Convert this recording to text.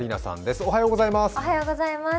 おはようございます。